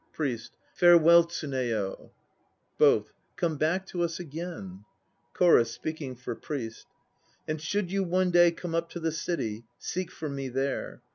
PRIEST. Farewell, Tsuneyo! BOTH. Come back to us again. CHORUS (speaking for PRIEST). "And should you one day come up to the City, seek for me there.